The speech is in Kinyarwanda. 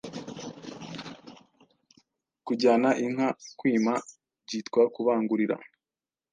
Kujyana inka kwima byitwa Kubangurira